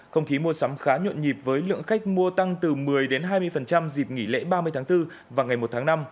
không khí mua sắm khá nhuận nhịp với lượng khách mua tăng từ một mươi hai mươi dịp nghỉ lễ ba mươi tháng bốn và ngày một tháng năm